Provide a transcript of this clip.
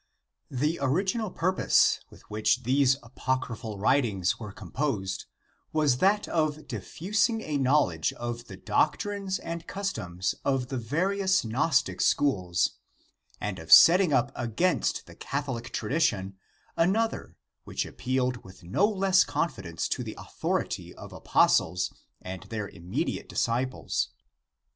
The original purpose with which these apocryphal writings were composed was that of diffusing a knowledge of the doctrines and customs of the various Gnostic schools,^ and of setting up against the Catholic tradition another which appealed with no less confidence to the authority of apostles and their immediate disciples.